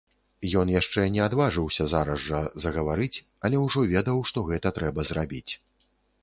Ён яшчэ не адважыўся зараз жа загаварыць, але ўжо ведаў, што гэта трэба зрабіць.